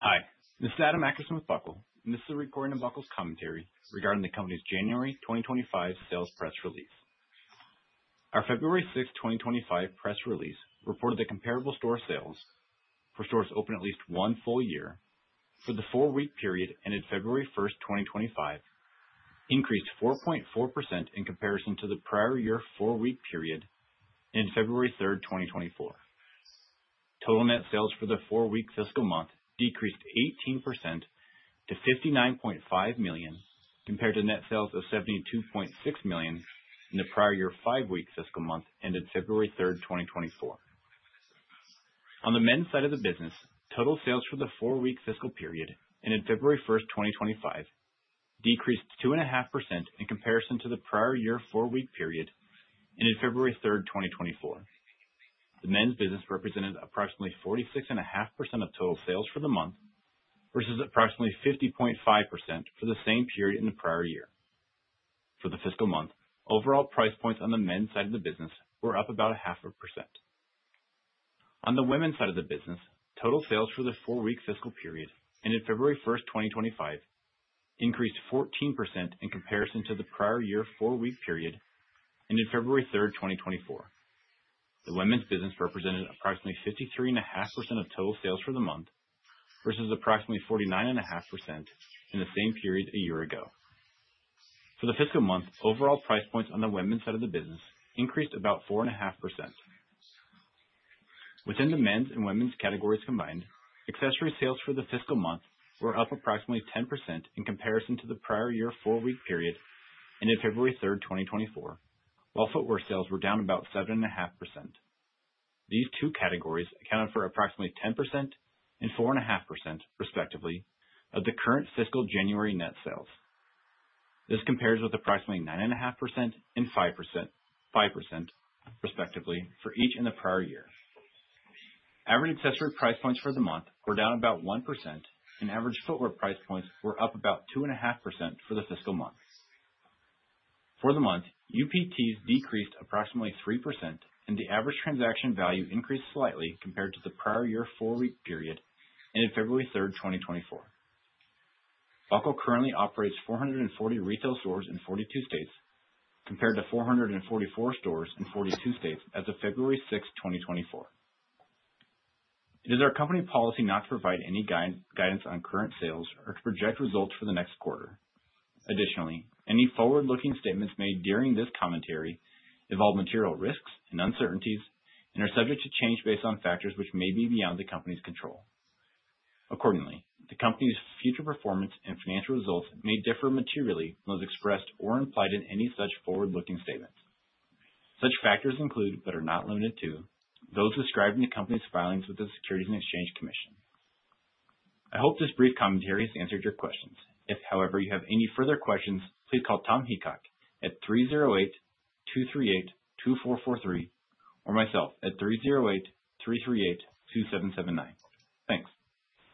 Hi. This is Adam Akerson with Buckle. And this is a recording of Buckle's commentary regarding the company's January 2025 sales press release. Our February 6th, 2025 press release reported that comparable store sales for stores open at least one full year for the four-week period ended February 1st, 2025, increased 4.4% in comparison to the prior year four-week period ended February 3rd, 2024. Total net sales for the four-week fiscal month decreased 18% to $59.5 million compared to net sales of $72.6 million in the prior year five-week fiscal month ended February 3rd, 2024. On the men's side of the business, total sales for the four-week fiscal period ended February 1st, 2025, decreased 2.5% in comparison to the prior year four-week period ended February 3rd, 2024. The men's business represented approximately 46.5% of total sales for the month versus approximately 50.5% for the same period in the prior year. For the fiscal month, overall price points on the men's side of the business were up about 0.5%. On the women's side of the business, total sales for the four-week fiscal period ended February 1st, 2025, increased 14% in comparison to the prior year four-week period ended February 3rd, 2024. The women's business represented approximately 53.5% of total sales for the month versus approximately 49.5% in the same period a year ago. For the fiscal month, overall price points on the women's side of the business increased about 4.5%. Within the men's and women's categories combined, accessory sales for the fiscal month were up approximately 10% in comparison to the prior year four-week period ended February 3rd, 2024, while footwear sales were down about 7.5%. These two categories accounted for approximately 10% and 4.5%, respectively, of the current fiscal January net sales. This compares with approximately 9.5% and 5%, respectively, for each in the prior year. Average accessory price points for the month were down about 1%, and average footwear price points were up about 2.5% for the fiscal month. For the month, UPTs decreased approximately 3%, and the average transaction value increased slightly compared to the prior year four-week period ended February 3rd, 2024. Buckle currently operates 440 retail stores in 42 states compared to 444 stores in 42 states as of February 6th, 2024. It is our company policy not to provide any guidance on current sales or to project results for the next quarter. Additionally, any forward-looking statements made during this commentary involve material risks and uncertainties and are subject to change based on factors which may be beyond the company's control. Accordingly, the company's future performance and financial results may differ materially from those expressed or implied in any such forward-looking statements. Such factors include, but are not limited to, those described in the company's filings with the Securities and Exchange Commission. I hope this brief commentary has answered your questions. If, however, you have any further questions, please call Tom Heacock at 308-238-2443 or myself at 308-338-2779. Thanks.